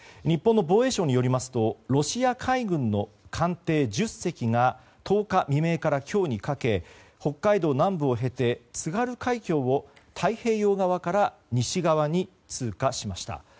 日本の防衛省によりますとロシア海軍の艦艇１０隻が１０日未明から今日にかけ北海道南部を経て津軽海峡を太平洋側から西側に通過しました。